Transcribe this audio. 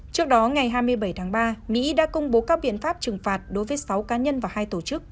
trước đó ngày hai mươi bảy tháng ba mỹ đã công bố các biện pháp trừng phạt đối với sáu cá nhân và hai tổ chức